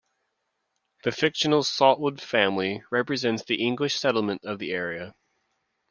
The fictional Saltwood family represents the English settlement of the area.